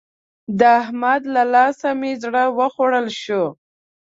د احمد له لاسه مې زړه وخوړل شو.